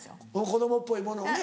子供っぽいものをね。